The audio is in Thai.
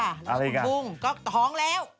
อะไรกันคุณบุ้งก็ท้องแล้ว